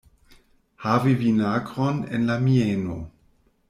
Havi vinagron en la mieno.